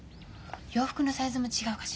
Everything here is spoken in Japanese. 洋服のサイズも違うかしら。